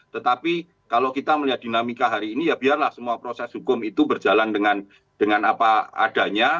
tetapi kalau kita melihat dinamika hari ini ya biarlah semua proses hukum itu berjalan dengan apa adanya